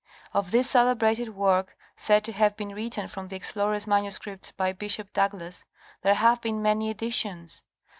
Of this celebrated work, said to have been written from the explorers' manuscripts by Bishop Douglas, there have been many editions.